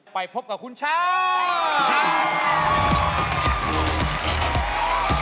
ไปพบกับคุณช้าง